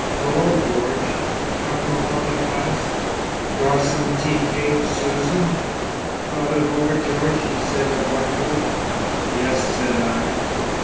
"Hullo, George! Come along at last? Gossome tea cake, Susan?" "Thought it over George?" he said abruptly. "Yes," said I.